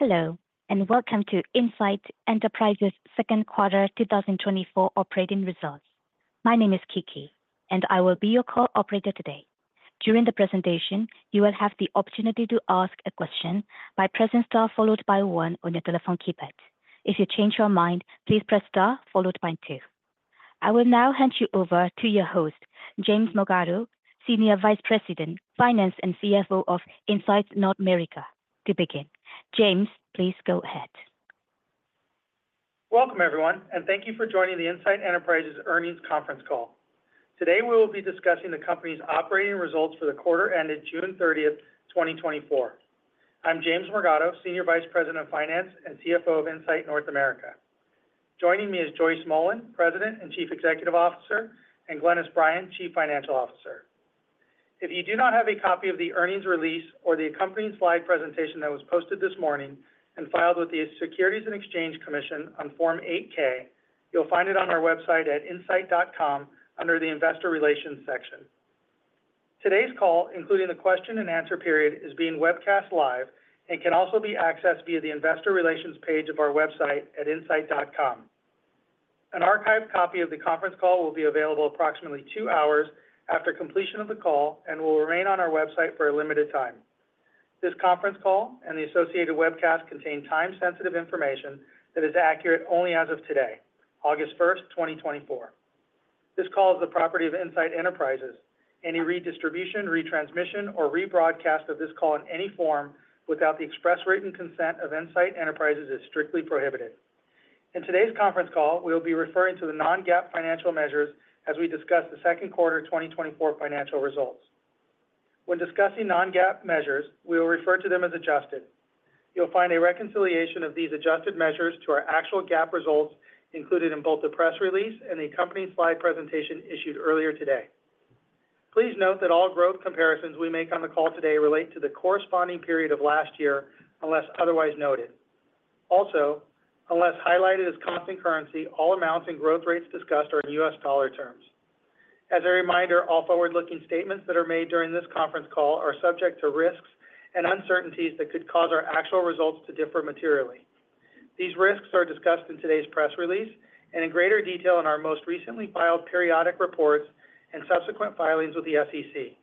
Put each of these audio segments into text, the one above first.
Hello, and welcome to Insight Enterprises' second quarter 2024 operating results. My name is Kiki, and I will be your co-operator today. During the presentation, you will have the opportunity to ask a question by pressing star followed by one on your telephone keypad. If you change your mind, please press star followed by two. I will now hand you over to your host, James Morgado, Senior Vice President, Finance and CFO of Insight North America. To begin, James, please go ahead. Welcome, everyone, and thank you for joining the Insight Enterprises' earnings conference call. Today, we will be discussing the company's operating results for the quarter ended June 30, 2024. I'm James Morgado, Senior Vice President of Finance and CFO of Insight North America. Joining me is Joyce Mullen, President and Chief Executive Officer, and Glynis Bryan, Chief Financial Officer. If you do not have a copy of the earnings release or the accompanying slide presentation that was posted this morning and filed with the Securities and Exchange Commission on Form 8-K, you'll find it on our website at insight.com under the Investor Relations section. Today's call, including the question and answer period, is being webcast live and can also be accessed via the Investor Relations page of our website at insight.com. An archived copy of the conference call will be available approximately two hours after completion of the call and will remain on our website for a limited time. This conference call and the associated webcast contain time-sensitive information that is accurate only as of today, August 1, 2024. This call is the property of Insight Enterprises. Any redistribution, retransmission, or rebroadcast of this call in any form without the express written consent of Insight Enterprises is strictly prohibited. In today's conference call, we will be referring to the non-GAAP financial measures as we discuss the second quarter 2024 financial results. When discussing non-GAAP measures, we will refer to them as adjusted. You'll find a reconciliation of these adjusted measures to our actual GAAP results included in both the press release and the accompanying slide presentation issued earlier today. Please note that all growth comparisons we make on the call today relate to the corresponding period of last year unless otherwise noted. Also, unless highlighted as constant currency, all amounts and growth rates discussed are in U.S. dollar terms. As a reminder, all forward-looking statements that are made during this conference call are subject to risks and uncertainties that could cause our actual results to differ materially. These risks are discussed in today's press release and in greater detail in our most recently filed periodic reports and subsequent filings with the SEC.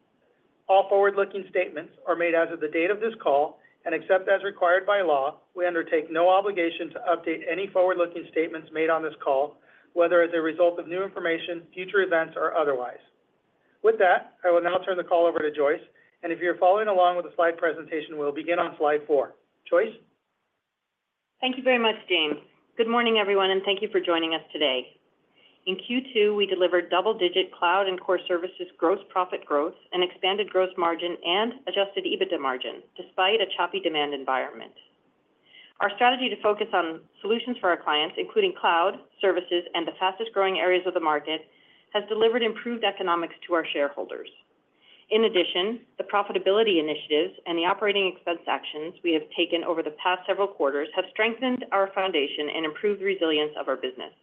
All forward-looking statements are made as of the date of this call and, except as required by law, we undertake no obligation to update any forward-looking statements made on this call, whether as a result of new information, future events, or otherwise. With that, I will now turn the call over to Joyce, and if you're following along with the slide presentation, we'll begin on slide four. Joyce. Thank you very much, James. Good morning, everyone, and thank you for joining us today. In Q2, we delivered double-digit cloud and Core Services gross profit growth and expanded gross margin and Adjusted EBITDA margin despite a choppy demand environment. Our strategy to focus on solutions for our clients, including cloud services and the fastest-growing areas of the market, has delivered improved economics to our shareholders. In addition, the profitability initiatives and the operating expense actions we have taken over the past several quarters have strengthened our foundation and improved the resilience of our business.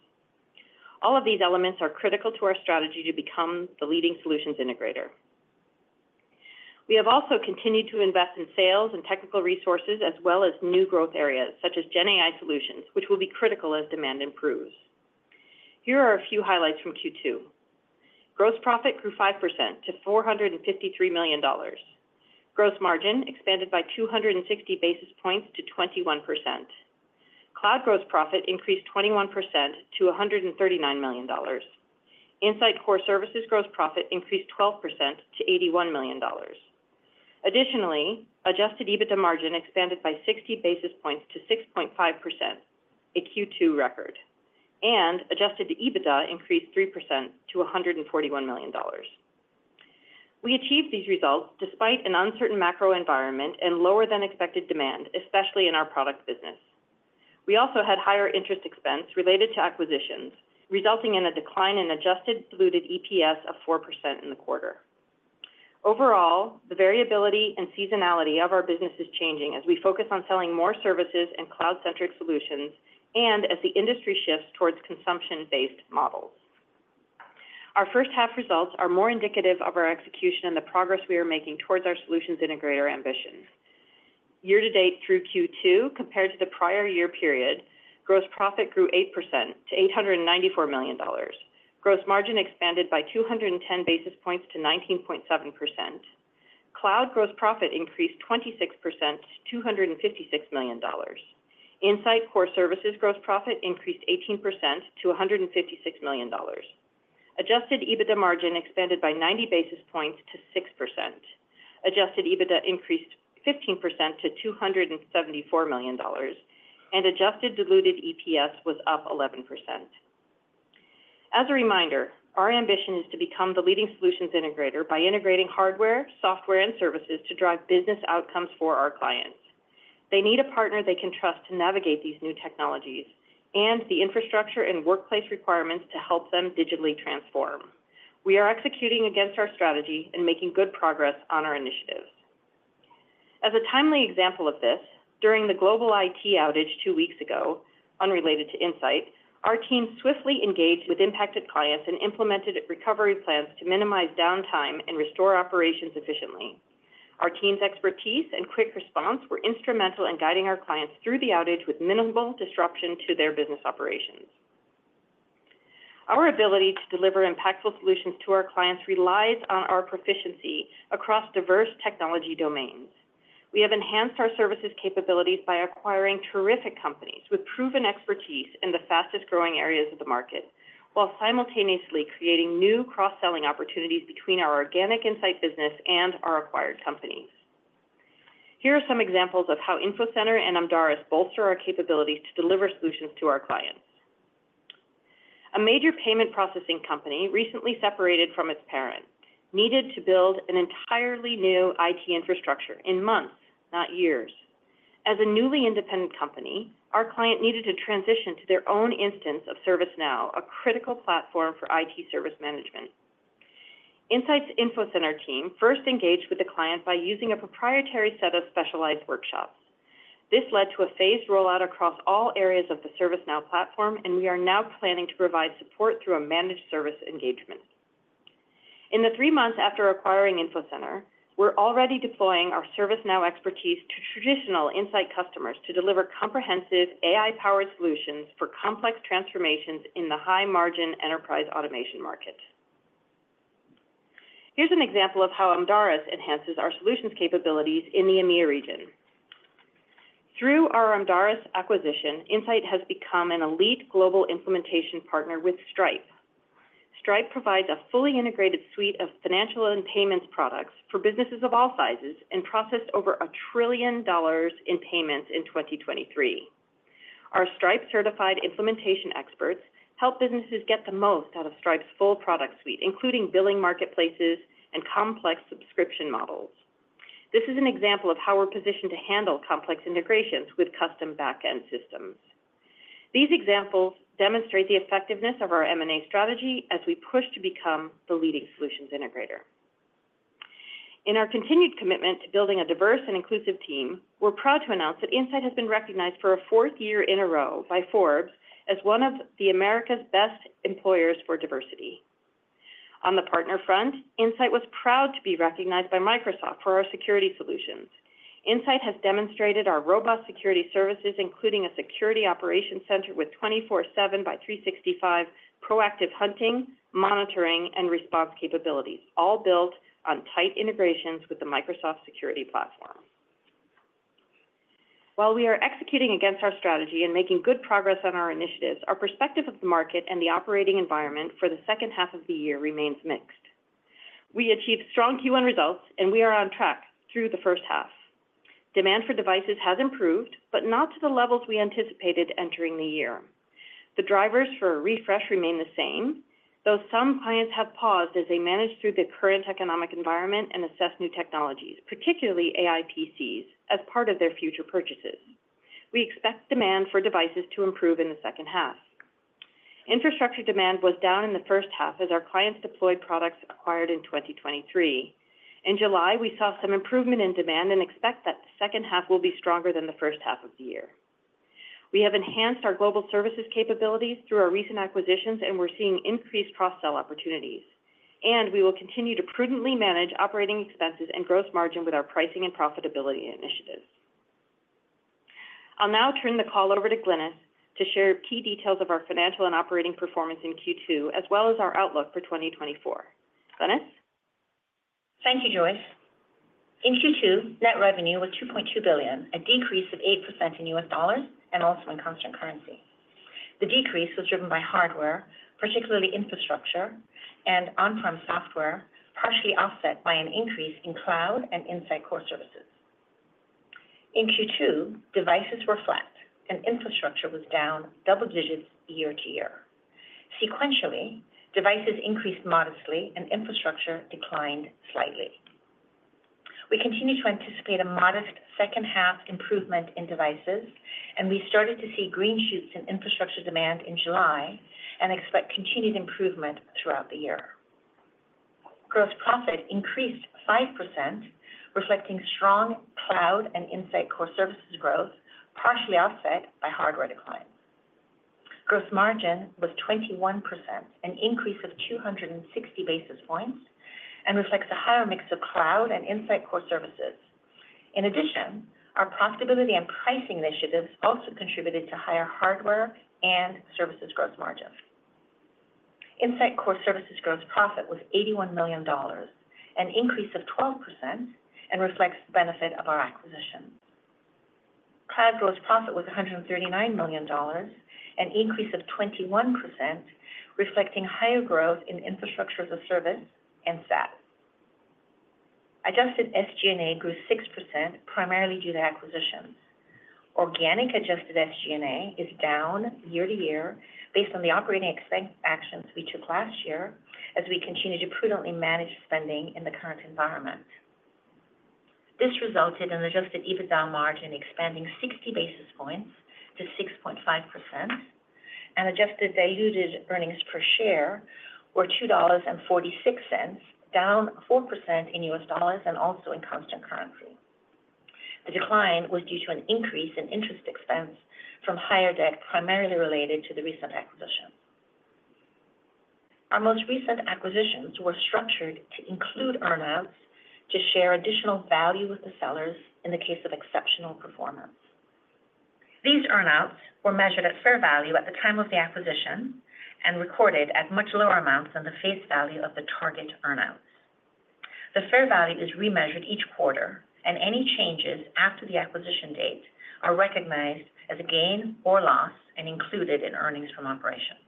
All of these elements are critical to our strategy to become the leading solutions integrator. We have also continued to invest in sales and technical resources as well as new growth areas such as GenAI solutions, which will be critical as demand improves. Here are a few highlights from Q2. Gross profit grew 5% to $453 million. Gross margin expanded by 260 basis points to 21%. Cloud gross profit increased 21% to $139 million. Insight's Core Services gross profit increased 12% to $81 million. Additionally, Adjusted EBITDA margin expanded by 60 basis points to 6.5%, a Q2 record. Adjusted EBITDA increased 3% to $141 million. We achieved these results despite an uncertain macro environment and lower-than-expected demand, especially in our product business. We also had higher interest expense related to acquisitions, resulting in a decline in Adjusted Diluted EPS of 4% in the quarter. Overall, the variability and seasonality of our business is changing as we focus on selling more services and cloud-centric solutions and as the industry shifts towards consumption-based models. Our first-half results are more indicative of our execution and the progress we are making towards our solutions integrator ambitions. Year-to-date through Q2, compared to the prior year period, gross profit grew 8% to $894 million. Gross margin expanded by 210 basis points to 19.7%. Cloud gross profit increased 26% to $256 million. Insight Core Services gross profit increased 18% to $156 million. Adjusted EBITDA margin expanded by 90 basis points to 6%. Adjusted EBITDA increased 15% to $274 million, and Adjusted Diluted EPS was up 11%. As a reminder, our ambition is to become the leading solutions integrator by integrating hardware, software, and services to drive business outcomes for our clients. They need a partner they can trust to navigate these new technologies and the infrastructure and workplace requirements to help them digitally transform. We are executing against our strategy and making good progress on our initiatives. As a timely example of this, during the global IT outage two weeks ago, unrelated to Insight, our team swiftly engaged with impacted clients and implemented recovery plans to minimize downtime and restore operations efficiently. Our team's expertise and quick response were instrumental in guiding our clients through the outage with minimal disruption to their business operations. Our ability to deliver impactful solutions to our clients relies on our proficiency across diverse technology domains. We have enhanced our services capabilities by acquiring terrific companies with proven expertise in the fastest-growing areas of the market, while simultaneously creating new cross-selling opportunities between our organic Insight business and our acquired companies. Here are some examples of how Infocenter and Amdaris bolster our capabilities to deliver solutions to our clients. A major payment processing company recently separated from its parent needed to build an entirely new IT infrastructure in months, not years. As a newly independent company, our client needed to transition to their own instance of ServiceNow, a critical platform for IT service management. Insight's Infocenter team first engaged with the client by using a proprietary set of specialized workshops. This led to a phased rollout across all areas of the ServiceNow platform, and we are now planning to provide support through a managed service engagement. In the three months after acquiring Infocenter, we're already deploying our ServiceNow expertise to traditional Insight customers to deliver comprehensive AI-powered solutions for complex transformations in the high-margin enterprise automation market. Here's an example of how Amdaris enhances our solutions capabilities in the EMEA region. Through our Amdaris acquisition, Insight has become an elite global implementation partner with Stripe. Stripe provides a fully integrated suite of financial and payments products for businesses of all sizes and processed over $1 trillion in payments in 2023. Our Stripe-certified implementation experts help businesses get the most out of Stripe's full product suite, including billing marketplaces and complex subscription models. This is an example of how we're positioned to handle complex integrations with custom backend systems. These examples demonstrate the effectiveness of our M&A strategy as we push to become the leading solutions integrator. In our continued commitment to building a diverse and inclusive team, we're proud to announce that Insight has been recognized for a fourth year in a row by Forbes as one of America's best employers for diversity. On the partner front, Insight was proud to be recognized by Microsoft for our security solutions. Insight has demonstrated our robust security services, including a security operations center with 24/7 by 365 proactive hunting, monitoring, and response capabilities, all built on tight integrations with the Microsoft security platform. While we are executing against our strategy and making good progress on our initiatives, our perspective of the market and the operating environment for the second half of the year remains mixed. We achieved strong Q1 results, and we are on track through the first half. Demand for devices has improved, but not to the levels we anticipated entering the year. The drivers for a refresh remain the same, though some clients have paused as they manage through the current economic environment and assess new technologies, particularly AI PCs, as part of their future purchases. We expect demand for devices to improve in the second half. Infrastructure demand was down in the first half as our clients deployed products acquired in 2023. In July, we saw some improvement in demand and expect that the second half will be stronger than the first half of the year. We have enhanced our global services capabilities through our recent acquisitions, and we're seeing increased cross-sell opportunities. We will continue to prudently manage operating expenses and gross margin with our pricing and profitability initiatives. I'll now turn the call over to Glynis to share key details of our financial and operating performance in Q2, as well as our outlook for 2024. Glynis? Thank you, Joyce. In Q2, net revenue was $2.2 billion, a decrease of 8% in U.S. dollars and also in constant currency. The decrease was driven by hardware, particularly infrastructure and on-prem software, partially offset by an increase in cloud and Insight Core Services. In Q2, devices were flat, and infrastructure was down double digits year-over-year. Sequentially, devices increased modestly, and infrastructure declined slightly. We continue to anticipate a modest second-half improvement in devices, and we started to see green shoots in infrastructure demand in July and expect continued improvement throughout the year. Gross profit increased 5%, reflecting strong cloud and Insight Core Services growth, partially offset by hardware decline. Gross margin was 21%, an increase of 260 basis points, and reflects a higher mix of cloud and Insight Core Services. In addition, our profitability and pricing initiatives also contributed to higher hardware and services gross margins. Insight Core Services gross profit was $81 million, an increase of 12%, and reflects the benefit of our acquisition. Cloud gross profit was $139 million, an increase of 21%, reflecting higher growth in infrastructure as a service and SAP. Adjusted SG&A grew 6%, primarily due to acquisitions. Organic Adjusted SG&A is down year-over-year based on the operating expense actions we took last year as we continue to prudently manage spending in the current environment. This resulted in Adjusted EBITDA margin expanding 60 basis points to 6.5%, and adjusted diluted earnings per share were $2.46, down 4% in U.S. dollars and also in constant currency. The decline was due to an increase in interest expense from higher debt, primarily related to the recent acquisition. Our most recent acquisitions were structured to include earnouts to share additional value with the sellers in the case of exceptional performance. These earnouts were measured at fair value at the time of the acquisition and recorded at much lower amounts than the face value of the target earnouts. The fair value is remeasured each quarter, and any changes after the acquisition date are recognized as a gain or loss and included in earnings from operations.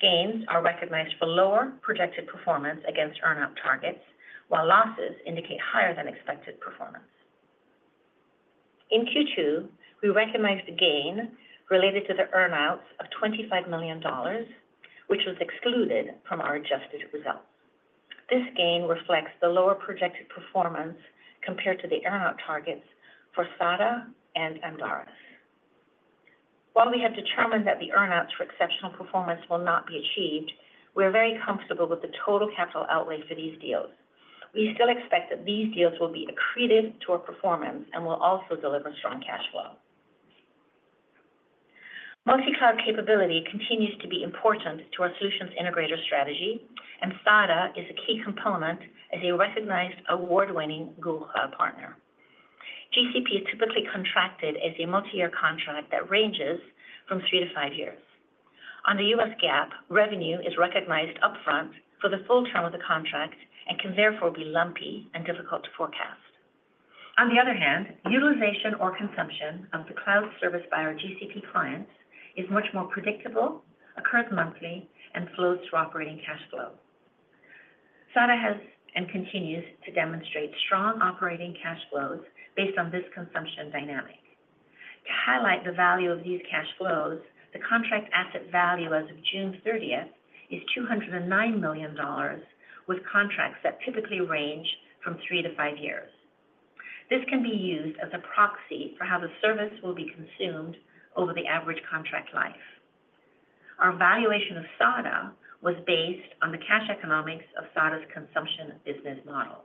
Gains are recognized for lower projected performance against earnout targets, while losses indicate higher-than-expected performance. In Q2, we recognized a gain related to the earnouts of $25 million, which was excluded from our adjusted results. This gain reflects the lower projected performance compared to the earnout targets for SADA and Amdaris. While we have determined that the earnouts for exceptional performance will not be achieved, we are very comfortable with the total capital outlay for these deals. We still expect that these deals will be accretive to our performance and will also deliver strong cash flow. Multi-cloud capability continues to be important to our solutions integrator strategy, and SADA is a key component as a recognized award-winning Google Cloud partner. GCP is typically contracted as a multi-year contract that ranges from three to five years. On the U.S. GAAP, revenue is recognized upfront for the full term of the contract and can therefore be lumpy and difficult to forecast. On the other hand, utilization or consumption of the cloud service by our GCP clients is much more predictable, occurs monthly, and flows through operating cash flow. SADA has and continues to demonstrate strong operating cash flows based on this consumption dynamic. To highlight the value of these cash flows, the contract asset value as of June 30th is $209 million, with contracts that typically range from three to five years. This can be used as a proxy for how the service will be consumed over the average contract life. Our valuation of SADA was based on the cash economics of SADA's consumption business model.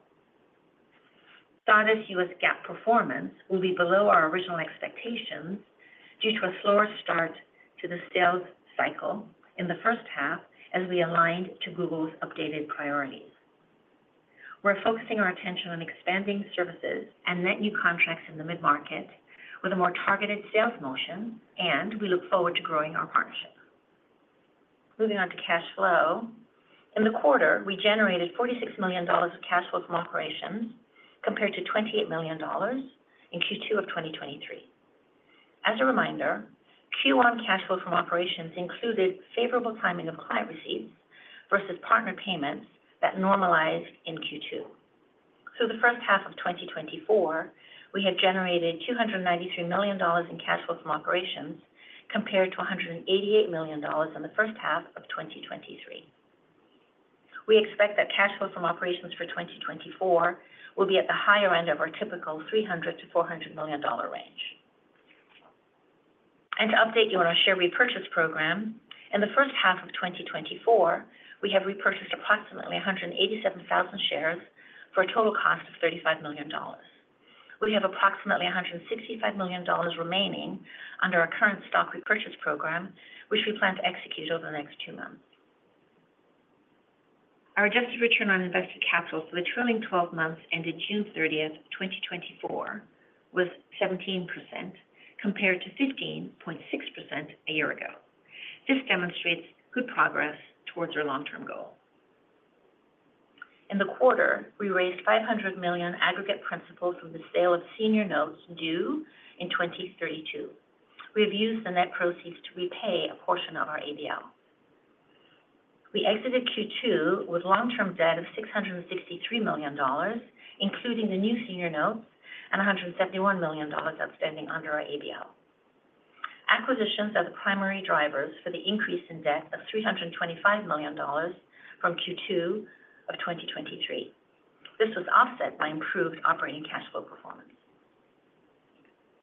SADA's U.S. GAAP performance will be below our original expectations due to a slower start to the sales cycle in the first half as we aligned to Google's updated priorities. We're focusing our attention on expanding services and net new contracts in the mid-market with a more targeted sales motion, and we look forward to growing our partnership. Moving on to cash flow. In the quarter, we generated $46 million of cash flow from operations compared to $28 million in Q2 of 2023. As a reminder, Q1 cash flow from operations included favorable timing of client receipts versus partner payments that normalized in Q2. Through the first half of 2024, we have generated $293 million in cash flow from operations compared to $188 million in the first half of 2023. We expect that cash flow from operations for 2024 will be at the higher end of our typical $300 million-$400 million range. To update you on our share repurchase program, in the first half of 2024, we have repurchased approximately 187,000 shares for a total cost of $35 million. We have approximately $165 million remaining under our current stock repurchase program, which we plan to execute over the next two months. Our adjusted return on invested capital for the trailing 12 months ended June 30th, 2024, was 17% compared to 15.6% a year ago. This demonstrates good progress towards our long-term goal. In the quarter, we raised $500 million aggregate principal from the sale of senior notes due in 2032. We have used the net proceeds to repay a portion of our ABL. We exited Q2 with long-term debt of $663 million, including the new senior notes and $171 million outstanding under our ABL. Acquisitions are the primary drivers for the increase in debt of $325 million from Q2 of 2023. This was offset by improved operating cash flow performance.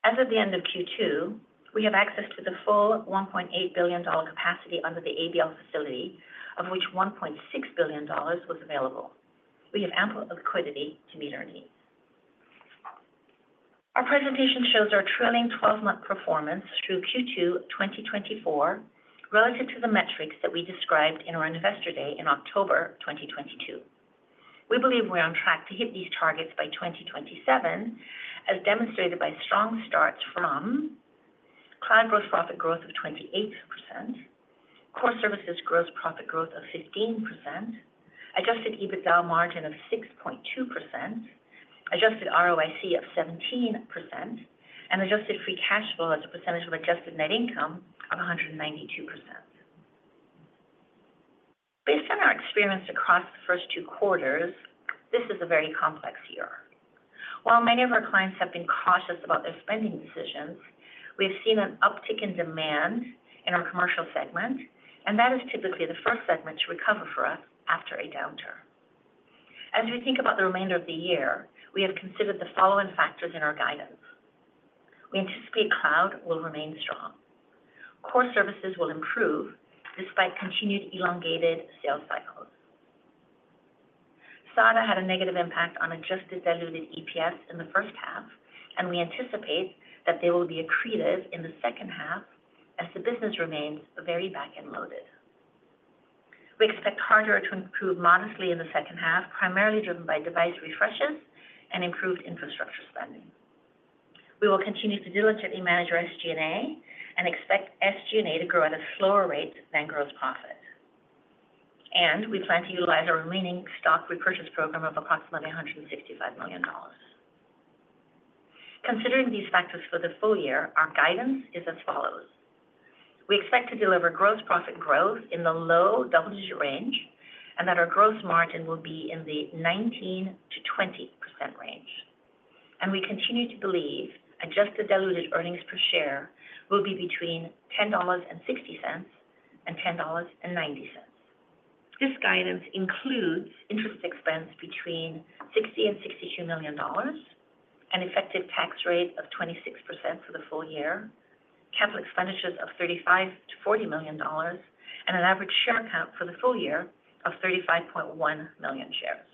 As of the end of Q2, we have access to the full $1.8 billion capacity under the ABL facility, of which $1.6 billion was available. We have ample liquidity to meet our needs. Our presentation shows our trailing 12-month performance through Q2 2024 relative to the metrics that we described in our investor day in October 2022. We believe we're on track to hit these targets by 2027, as demonstrated by strong starts from Cloud gross profit growth of 28%, Core services gross profit growth of 15%, adjusted EBITDA margin of 6.2%, adjusted ROIC of 17%, and adjusted free cash flow as a percentage of adjusted net income of 192%. Based on our experience across the first two quarters, this is a very complex year. While many of our clients have been cautious about their spending decisions, we have seen an uptick in demand in our commercial segment, and that is typically the first segment to recover for us after a downturn. As we think about the remainder of the year, we have considered the following factors in our guidance. We anticipate cloud will remain strong. Core services will improve despite continued elongated sales cycles. SADA had a negative impact on adjusted diluted EPS in the first half, and we anticipate that they will be accretive in the second half as the business remains very back-end loaded. We expect hardware to improve modestly in the second half, primarily driven by device refreshes and improved infrastructure spending. We will continue to diligently manage our SG&A and expect SG&A to grow at a slower rate than gross profit. And we plan to utilize our remaining stock repurchase program of approximately $165 million. Considering these factors for the full year, our guidance is as follows. We expect to deliver gross profit growth in the low double digit range and that our gross margin will be in the 19%-20% range. And we continue to believe adjusted diluted earnings per share will be between $10.60 and $10.90. This guidance includes interest expense between $60 million and $62 million, an effective tax rate of 26% for the full year, capital expenditures of $35 million-$40 million, and an average share count for the full year of 35.1 million shares.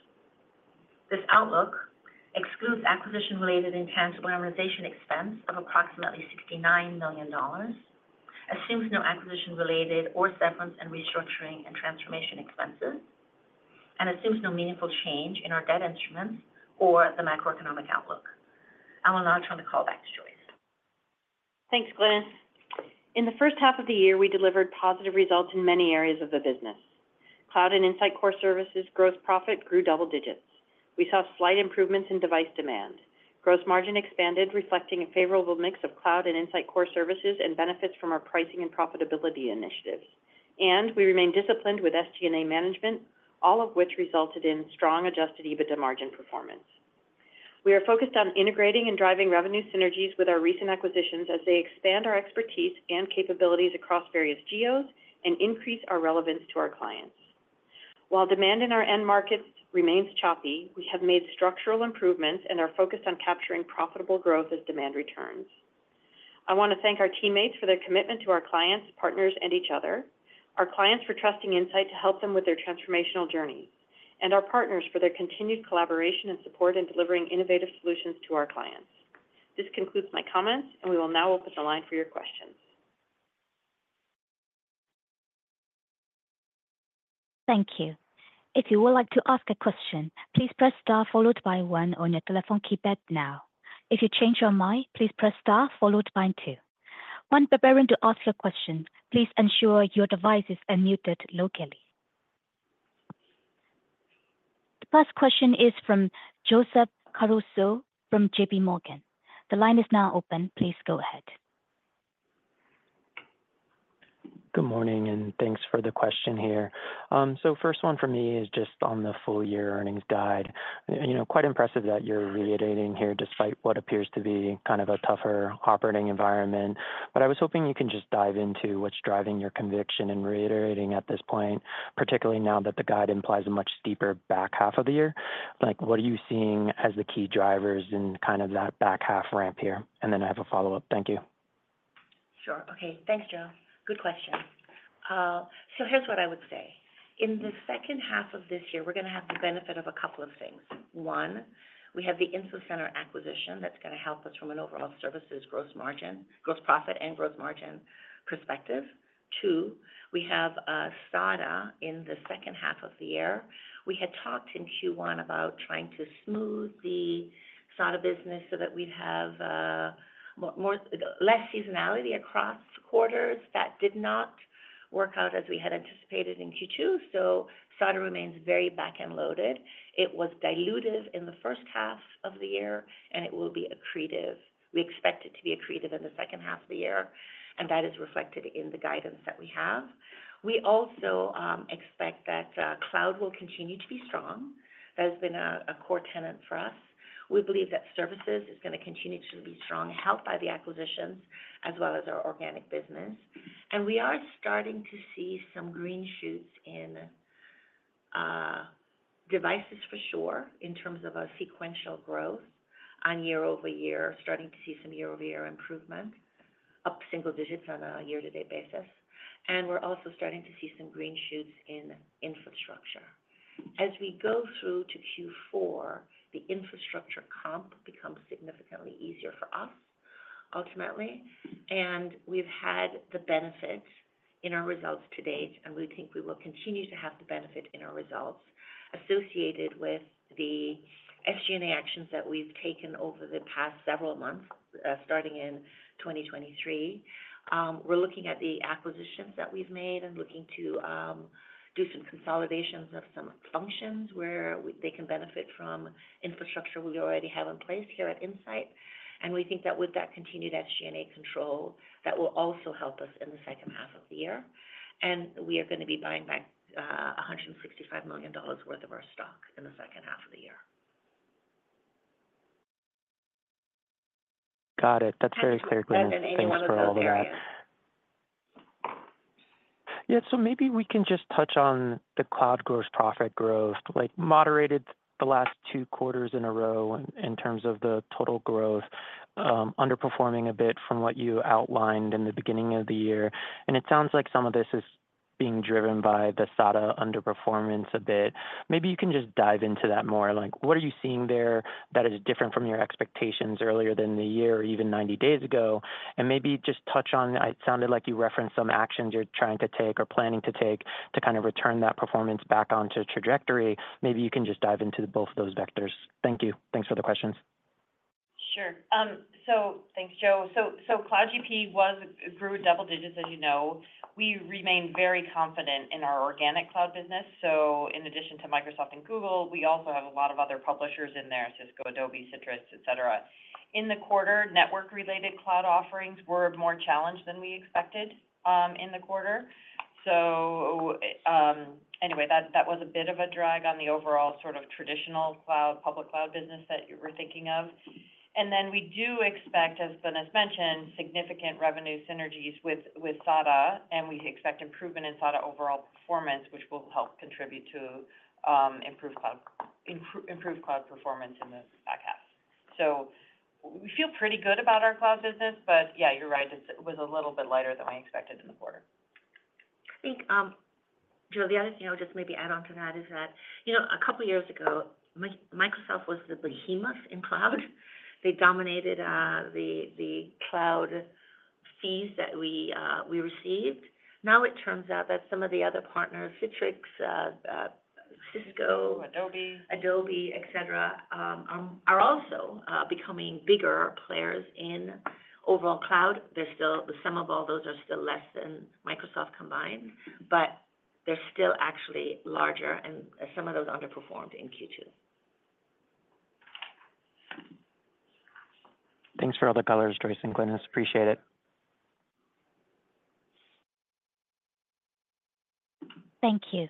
This outlook excludes acquisition-related intangible amortization expense of approximately $69 million, assumes no acquisition-related or severance and restructuring and transformation expenses, and assumes no meaningful change in our debt instruments or the macroeconomic outlook. I will now turn the call back to Joyce. Thanks, Glynis. In the first half of the year, we delivered positive results in many areas of the business. Cloud and Insight Core Services gross profit grew double digits. We saw slight improvements in device demand. Gross margin expanded, reflecting a favorable mix of cloud and Insight Core Services and benefits from our pricing and profitability initiatives. We remained disciplined with SG&A management, all of which resulted in strong adjusted EBITDA margin performance. We are focused on integrating and driving revenue synergies with our recent acquisitions as they expand our expertise and capabilities across various geos and increase our relevance to our clients. While demand in our end markets remains choppy, we have made structural improvements and are focused on capturing profitable growth as demand returns. I want to thank our teammates for their commitment to our clients, partners, and each other, our clients for trusting Insight to help them with their transformational journey, and our partners for their continued collaboration and support in delivering innovative solutions to our clients. This concludes my comments, and we will now open the line for your questions. Thank you. If you would like to ask a question, please press star followed by one on your telephone keypad now. If you change your mind, please press star followed by two. When preparing to ask your question, please ensure your device is unmuted locally. The first question is from Joseph Cardoso from J.P. Morgan. The line is now open. Please go ahead. Good morning, and thanks for the question here. So first one for me is just on the full year earnings guide. Quite impressive that you're reiterating here despite what appears to be kind of a tougher operating environment. But I was hoping you can just dive into what's driving your conviction in reiterating at this point, particularly now that the guide implies a much deeper back half of the year. What are you seeing as the key drivers in kind of that back half ramp here? And then I have a follow-up. Thank you. Sure. Okay. Thanks, Joe. Good question. So here's what I would say. In the second half of this year, we're going to have the benefit of a couple of things. One, we have the Infocenter acquisition that's going to help us from an overall services gross profit and gross margin perspective. Two, we have SADA in the second half of the year. We had talked in Q1 about trying to smooth the SADA business so that we'd have less seasonality across quarters. That did not work out as we had anticipated in Q2. So SADA remains very back-end loaded. It was dilutive in the first half of the year, and it will be accretive. We expect it to be accretive in the second half of the year, and that is reflected in the guidance that we have. We also expect that cloud will continue to be strong. That has been a core tenet for us. We believe that services is going to continue to be strong, helped by the acquisitions as well as our organic business. We are starting to see some green shoots in devices for sure in terms of our sequential growth on year-over-year, starting to see some year-over-year improvement, up single digits on a year-to-date basis. We're also starting to see some green shoots in infrastructure. As we go through to Q4, the infrastructure comp becomes significantly easier for us ultimately. We've had the benefit in our results to date, and we think we will continue to have the benefit in our results associated with the SG&A actions that we've taken over the past several months starting in 2023. We're looking at the acquisitions that we've made and looking to do some consolidations of some functions where they can benefit from infrastructure we already have in place here at Insight. And we think that with that continued SG&A control, that will also help us in the second half of the year. And we are going to be buying back $165 million worth of our stock in the second half of the year. Got it. That's very clear, Glynis. Thanks for all of that. Yeah. So maybe we can just touch on the cloud gross profit growth. Moderated the last two quarters in a row in terms of the total growth, underperforming a bit from what you outlined in the beginning of the year. And it sounds like some of this is being driven by the SADA underperformance a bit. Maybe you can just dive into that more. What are you seeing there that is different from your expectations earlier than the year or even 90 days ago? And maybe just touch on, it sounded like you referenced some actions you're trying to take or planning to take to kind of return that performance back onto trajectory. Maybe you can just dive into both of those vectors. Thank you. Thanks for the questions. Sure. So thanks, Joe. So Cloud GP grew double digits, as you know. We remain very confident in our organic cloud business. So in addition to Microsoft and Google, we also have a lot of other publishers in there: Cisco, Adobe, Citrix, etc. In the quarter, network-related cloud offerings were more challenged than we expected in the quarter. So anyway, that was a bit of a drag on the overall sort of traditional public cloud business that you were thinking of. And then we do expect, as Glynis mentioned, significant revenue synergies with SADA, and we expect improvement in SADA overall performance, which will help contribute to improved cloud performance in the back half. So we feel pretty good about our cloud business, but yeah, you're right. It was a little bit lighter than we expected in the quarter. I think, Joe, the other thing I'll just maybe add on to that is that a couple of years ago, Microsoft was the behemoth in cloud. They dominated the cloud fees that we received. Now it turns out that some of the other partners, Citrix, Cisco. Adobe. Adobe, etc., are also becoming bigger players in overall cloud. Some of all those are still less than Microsoft combined, but they're still actually larger, and some of those underperformed in Q2. Thanks for all the colors, Joyce and Glynis. Appreciate it. Thank you.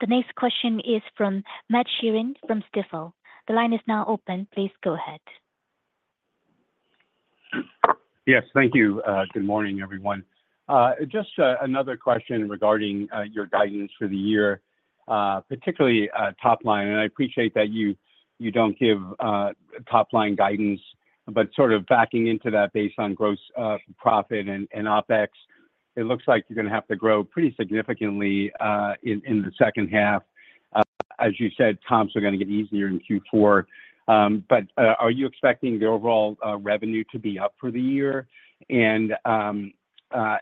The next question is from Matt Sheerin from Stifel. The line is now open. Please go ahead. Yes. Thank you. Good morning, everyone. Just another question regarding your guidance for the year, particularly top line. I appreciate that you don't give top line guidance, but sort of backing into that based on gross profit and OpEx, it looks like you're going to have to grow pretty significantly in the second half. As you said, comps are going to get easier in Q4. Are you expecting the overall revenue to be up for the year? Is that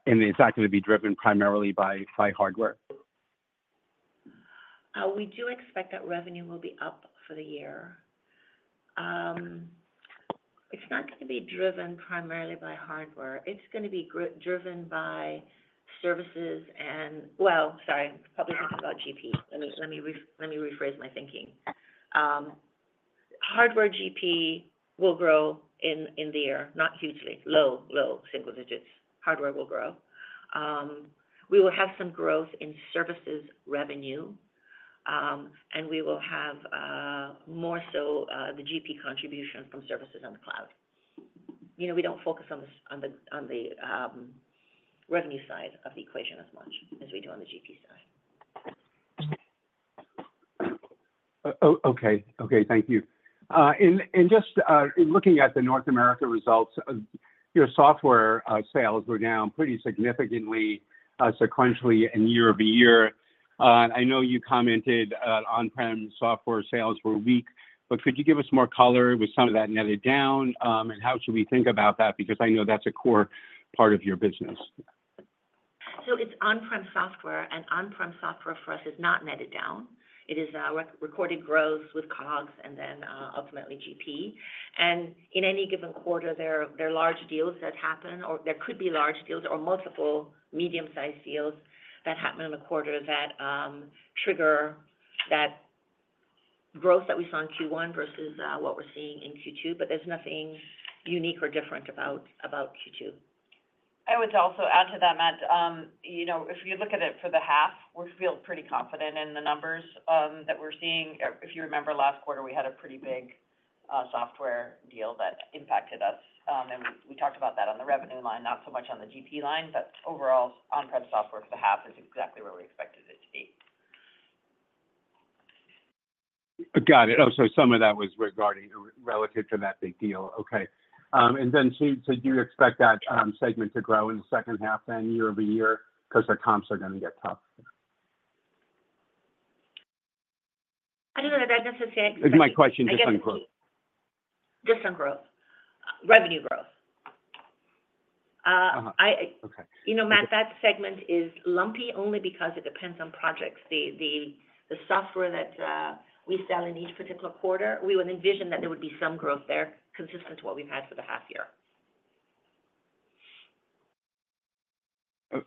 going to be driven primarily by hardware? We do expect that revenue will be up for the year. It's not going to be driven primarily by hardware. It's going to be driven by services and, well, sorry, probably something about GP. Let me rephrase my thinking. Hardware GP will grow in the year, not hugely. Low, low single digits. Hardware will grow. We will have some growth in services revenue, and we will have more so the GP contribution from services on the cloud. We don't focus on the revenue side of the equation as much as we do on the GP side. Okay. Okay. Thank you. Just looking at the North America results, your software sales were down pretty significantly sequentially and year-over-year. I know you commented on-prem software sales were weak, but could you give us more color with some of that netted down, and how should we think about that? Because I know that's a core part of your business. So it's on-prem software, and on-prem software for us is not netted down. It is recorded growth with COGS and then ultimately GP. And in any given quarter, there are large deals that happen, or there could be large deals or multiple medium-sized deals that happen in the quarter that trigger that growth that we saw in Q1 versus what we're seeing in Q2. But there's nothing unique or different about Q2. I would also add to that, Matt, if you look at it for the half, we feel pretty confident in the numbers that we're seeing. If you remember, last quarter, we had a pretty big software deal that impacted us. And we talked about that on the revenue line, not so much on the GP line, but overall, on-prem software for the half is exactly where we expected it to be. Got it. Oh, so some of that was relative to that big deal. Okay. And then so do you expect that segment to grow in the second half then, year-over-year, because our comps are going to get tough? I don't know that necessarily. This is my question just on growth. Just on growth. Revenue growth. Okay. Matt, that segment is lumpy only because it depends on projects. The software that we sell in each particular quarter, we would envision that there would be some growth there consistent to what we've had for the half year.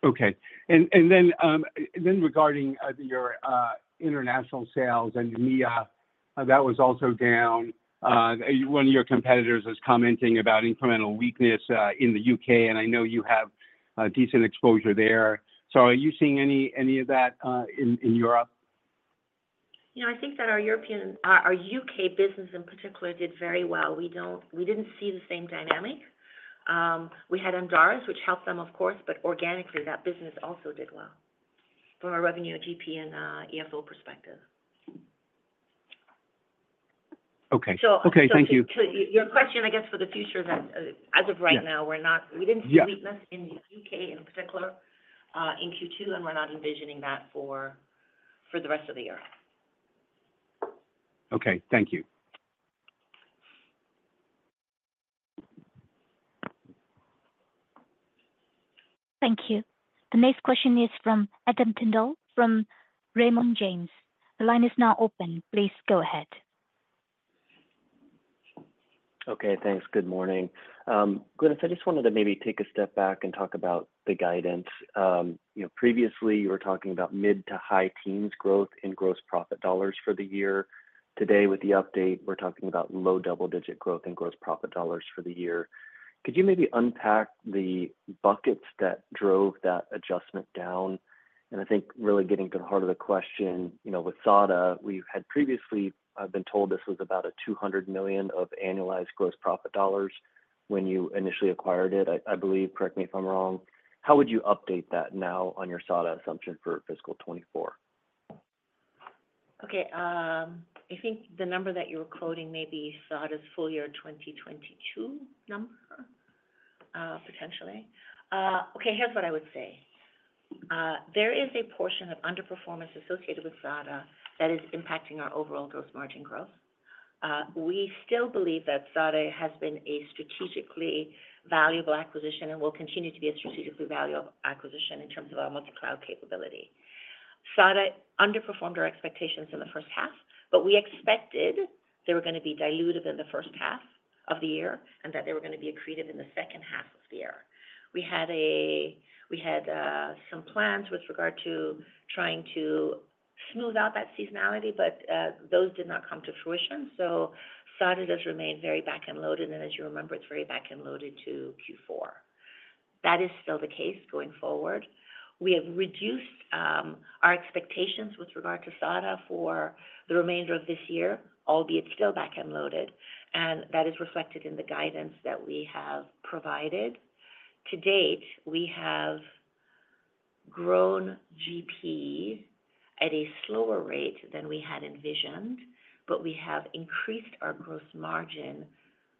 Okay. Then regarding your international sales and EMEA, that was also down. One of your competitors is commenting about incremental weakness in the U.K., and I know you have decent exposure there. So are you seeing any of that in Europe? Yeah. I think that our U.K. business in particular did very well. We didn't see the same dynamic. We had Amdaris, which helped them, of course, but organically, that business also did well from a revenue, GP, and EFO perspective. Okay. Okay. Thank you. Your question, I guess, for the future is that as of right now, we didn't see weakness in the U.K. in particular in Q2, and we're not envisioning that for the rest of the year. Okay. Thank you. Thank you. The next question is from Adam Tindle from Raymond James. The line is now open. Please go ahead. Okay. Thanks. Good morning. Glynis, I just wanted to maybe take a step back and talk about the guidance. Previously, you were talking about mid- to high-teens growth in gross profit dollars for the year. Today, with the update, we're talking about low double-digit growth in gross profit dollars for the year. Could you maybe unpack the buckets that drove that adjustment down? And I think really getting to the heart of the question, with SADA, we had previously been told this was about $200 million of annualized gross profit dollars when you initially acquired it, I believe. Correct me if I'm wrong. How would you update that now on your SADA assumption for fiscal 2024? Okay. I think the number that you were quoting may be SADA's full year 2022 number, potentially. Okay. Here's what I would say. There is a portion of underperformance associated with SADA that is impacting our overall gross margin growth. We still believe that SADA has been a strategically valuable acquisition and will continue to be a strategically valuable acquisition in terms of our multi-cloud capability. SADA underperformed our expectations in the first half, but we expected they were going to be dilutive in the first half of the year and that they were going to be accretive in the second half of the year. We had some plans with regard to trying to smooth out that seasonality, but those did not come to fruition. So SADA does remain very back-end loaded. And as you remember, it's very back-end loaded to Q4. That is still the case going forward. We have reduced our expectations with regard to SADA for the remainder of this year, albeit still back-end loaded, and that is reflected in the guidance that we have provided. To date, we have grown GP at a slower rate than we had envisioned, but we have increased our gross margin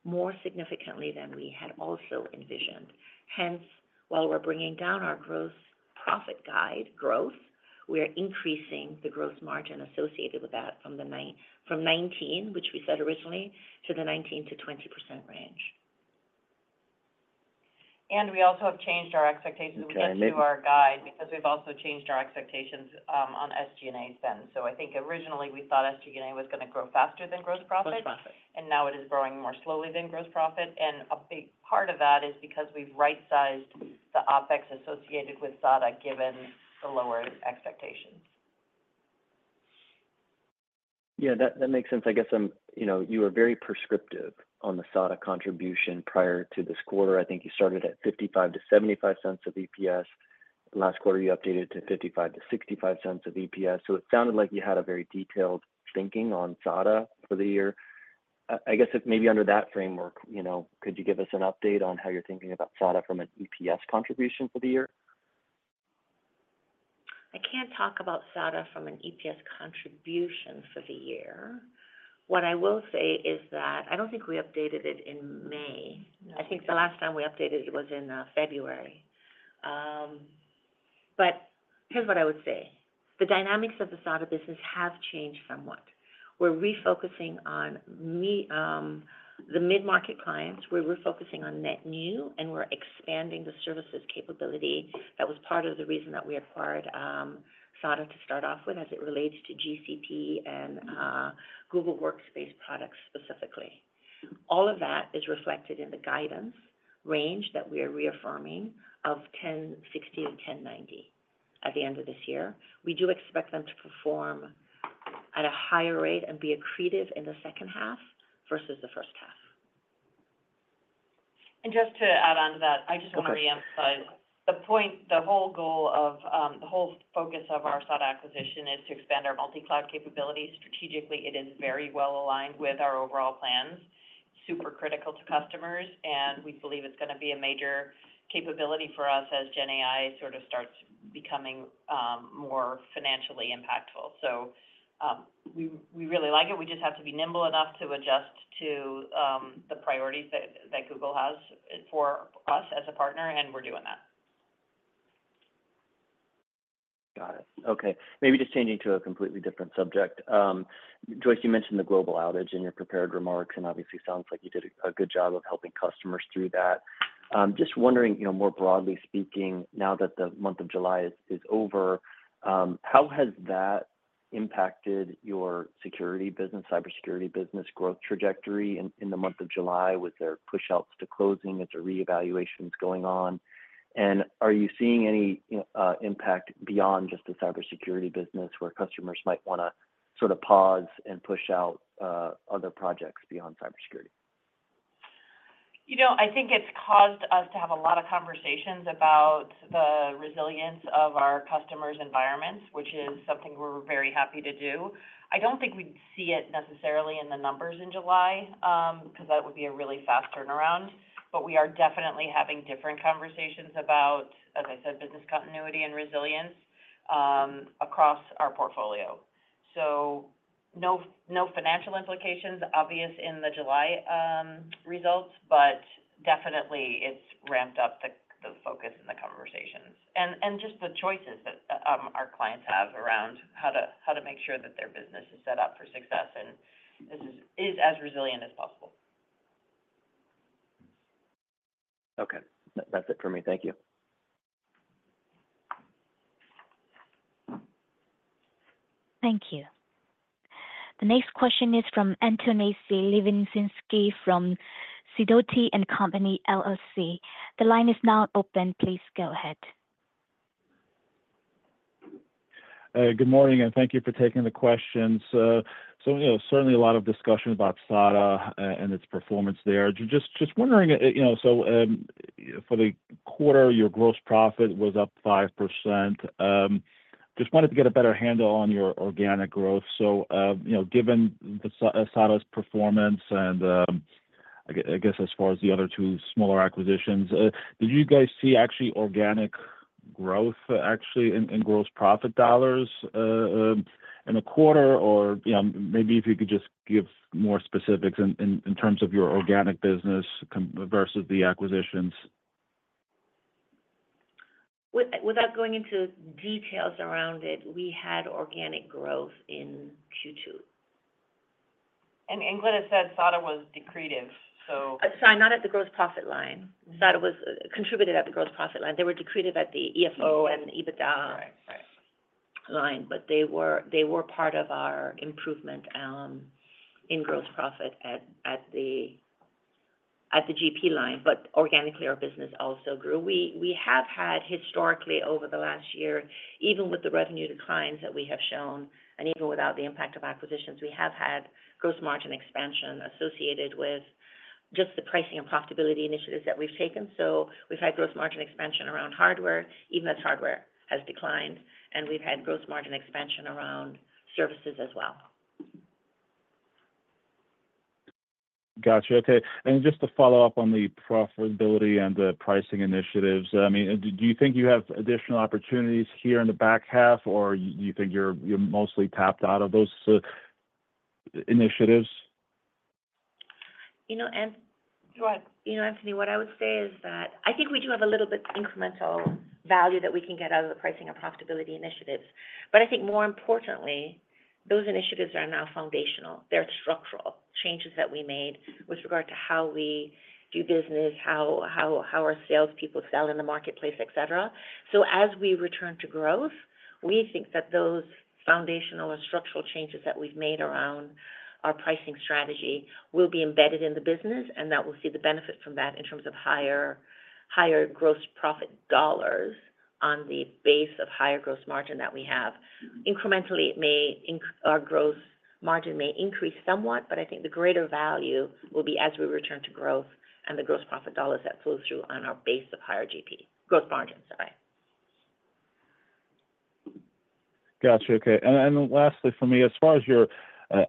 more significantly than we had also envisioned. Hence, while we're bringing down our gross profit growth, we are increasing the gross margin associated with that from 19, which we said originally, to the 19%-20% range. We also have changed our expectations. And then. We can't do our guide because we've also changed our expectations on SG&A spend. So I think originally we thought SG&A was going to grow faster than gross profit. Gross profit. Now it is growing more slowly than gross profit. A big part of that is because we've right-sized the OpEx associated with SADA given the lower expectations. Yeah. That makes sense. I guess you were very prescriptive on the SADA contribution prior to this quarter. I think you started at $0.55-$0.75 of EPS. Last quarter, you updated to $0.55-$0.65 of EPS. So it sounded like you had a very detailed thinking on SADA for the year. I guess maybe under that framework, could you give us an update on how you're thinking about SADA from an EPS contribution for the year? I can't talk about SADA from an EPS contribution for the year. What I will say is that I don't think we updated it in May. I think the last time we updated it was in February. But here's what I would say. The dynamics of the SADA business have changed somewhat. We're refocusing on the mid-market clients. We're refocusing on net new, and we're expanding the services capability. That was part of the reason that we acquired SADA to start off with as it relates to GCP and Google Workspace products specifically. All of that is reflected in the guidance range that we are reaffirming of $10.60-$10.90 at the end of this year. We do expect them to perform at a higher rate and be accretive in the second half versus the first half. Just to add on to that, I just want to reemphasize the point. The whole goal of the whole focus of our SADA acquisition is to expand our multi-cloud capabilities. Strategically, it is very well aligned with our overall plans, super critical to customers, and we believe it's going to be a major capability for us as GenAI sort of starts becoming more financially impactful. We really like it. We just have to be nimble enough to adjust to the priorities that Google has for us as a partner, and we're doing that. Got it. Okay. Maybe just changing to a completely different subject. Joyce, you mentioned the global outage in your prepared remarks, and obviously it sounds like you did a good job of helping customers through that. Just wondering, more broadly speaking, now that the month of July is over, how has that impacted your security business, cybersecurity business growth trajectory in the month of July with their push-outs to closing as the reevaluation is going on? And are you seeing any impact beyond just the cybersecurity business where customers might want to sort of pause and push out other projects beyond cybersecurity? I think it's caused us to have a lot of conversations about the resilience of our customers' environments, which is something we're very happy to do. I don't think we'd see it necessarily in the numbers in July because that would be a really fast turnaround. But we are definitely having different conversations about, as I said, business continuity and resilience across our portfolio. So no financial implications obvious in the July results, but definitely it's ramped up the focus and the conversations and just the choices that our clients have around how to make sure that their business is set up for success and is as resilient as possible. Okay. That's it for me. Thank you. Thank you. The next question is from Anthony Lebiedzinski from Sidoti & Company, LLC. The line is now open. Please go ahead. Good morning, and thank you for taking the questions. So certainly a lot of discussion about SADA and its performance there. Just wondering, so for the quarter, your gross profit was up 5%. Just wanted to get a better handle on your organic growth. So given SADA's performance and I guess as far as the other two smaller acquisitions, did you guys see actually organic growth actually in gross profit dollars in the quarter? Or maybe if you could just give more specifics in terms of your organic business versus the acquisitions. Without going into details around it, we had organic growth in Q2. Glynis said SADA was accretive, so. Sorry, not at the gross profit line. SADA contributed at the gross profit line. They were de-accretive at the EFO and EBITDA line, but they were part of our improvement in gross profit at the GP line. But organically, our business also grew. We have had historically over the last year, even with the revenue declines that we have shown, and even without the impact of acquisitions, we have had gross margin expansion associated with just the pricing and profitability initiatives that we've taken. So we've had gross margin expansion around hardware, even as hardware has declined, and we've had gross margin expansion around services as well. Gotcha. Okay. And just to follow up on the profitability and the pricing initiatives, I mean, do you think you have additional opportunities here in the back half, or do you think you're mostly tapped out of those initiatives? Go ahead. You know, Anthony, what I would say is that I think we do have a little bit incremental value that we can get out of the pricing and profitability initiatives. But I think more importantly, those initiatives are now foundational. They're structural changes that we made with regard to how we do business, how our salespeople sell in the marketplace, etc. So as we return to growth, we think that those foundational or structural changes that we've made around our pricing strategy will be embedded in the business, and that we'll see the benefit from that in terms of higher gross profit dollars on the base of higher gross margin that we have. Incrementally, our gross margin may increase somewhat, but I think the greater value will be as we return to growth and the gross profit dollars that flow through on our base of higher GP gross margin, sorry. Gotcha. Okay. And then lastly for me, as far as your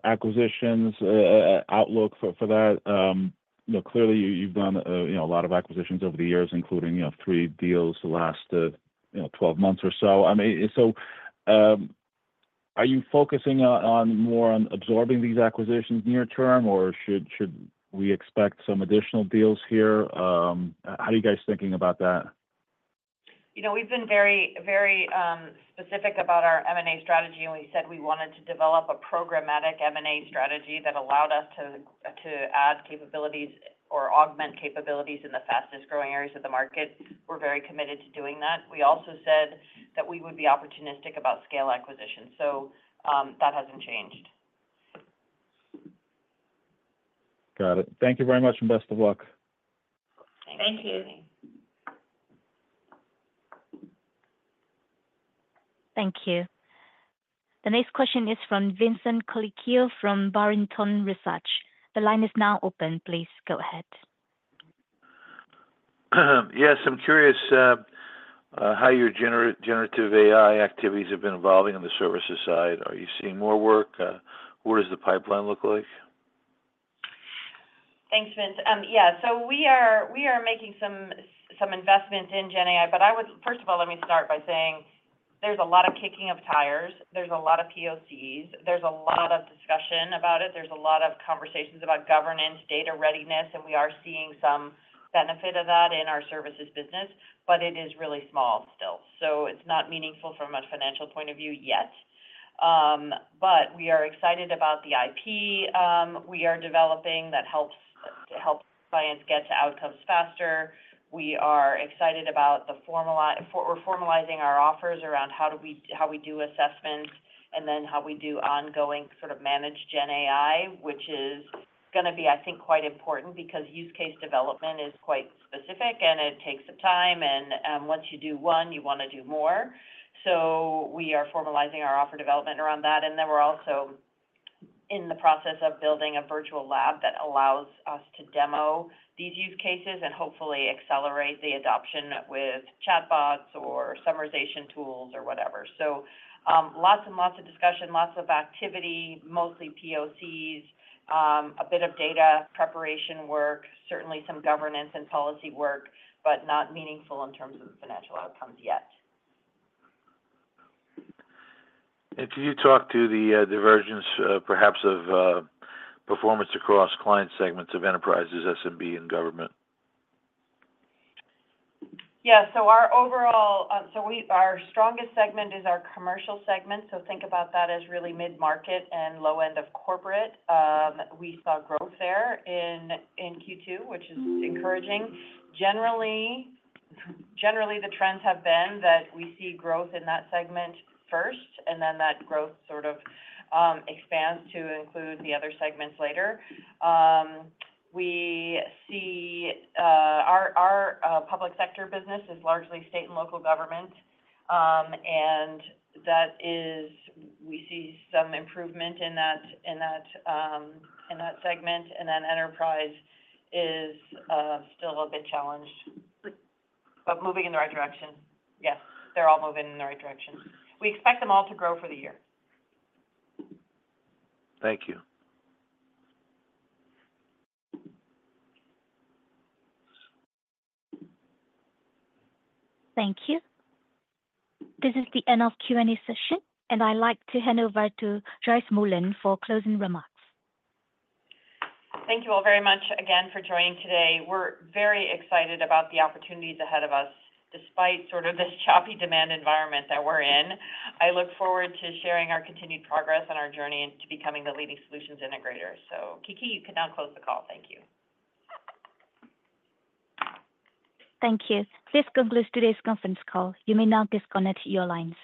acquisitions outlook for that, clearly you've done a lot of acquisitions over the years, including three deals the last 12 months or so. I mean, so are you focusing more on absorbing these acquisitions near term, or should we expect some additional deals here? How are you guys thinking about that? We've been very specific about our M&A strategy, and we said we wanted to develop a programmatic M&A strategy that allowed us to add capabilities or augment capabilities in the fastest growing areas of the market. We're very committed to doing that. We also said that we would be opportunistic about scale acquisitions. So that hasn't changed. Got it. Thank you very much and best of luck. Thank you. Thank you. The next question is from Vincent Colicchio from Barrington Research. The line is now open. Please go ahead. Yes. I'm curious how your generative AI activities have been evolving on the services side. Are you seeing more work? What does the pipeline look like? Thanks, Vince. Yeah. So we are making some investment in GenAI, but first of all, let me start by saying there's a lot of kicking of tires. There's a lot of POCs. There's a lot of discussion about it. There's a lot of conversations about governance, data readiness, and we are seeing some benefit of that in our services business, but it is really small still. So it's not meaningful from a financial point of view yet. But we are excited about the IP we are developing that helps clients get to outcomes faster. We are excited about the formalizing our offers around how we do assessments and then how we do ongoing sort of managed GenAI, which is going to be, I think, quite important because use case development is quite specific and it takes time. And once you do one, you want to do more. So we are formalizing our offer development around that. And then we're also in the process of building a virtual lab that allows us to demo these use cases and hopefully accelerate the adoption with chatbots or summarization tools or whatever. So lots and lots of discussion, lots of activity, mostly POCs, a bit of data preparation work, certainly some governance and policy work, but not meaningful in terms of financial outcomes yet. Can you talk to the divergence perhaps of performance across client segments of enterprises, SMB, and government? Yeah. So our strongest segment is our commercial segment. So think about that as really mid-market and low end of corporate. We saw growth there in Q2, which is encouraging. Generally, the trends have been that we see growth in that segment first, and then that growth sort of expands to include the other segments later. Our public sector business is largely state and local government, and we see some improvement in that segment. And then enterprise is still a bit challenged, but moving in the right direction. Yes. They're all moving in the right direction. We expect them all to grow for the year. Thank you. Thank you. This is the end of Q&A session, and I'd like to hand over to Joyce Mullen for closing remarks. Thank you all very much again for joining today. We're very excited about the opportunities ahead of us despite sort of this choppy demand environment that we're in. I look forward to sharing our continued progress on our journey to becoming the leading solutions integrator. So Kiki, you can now close the call. Thank you. Thank you. This concludes today's conference call. You may now disconnect your lines.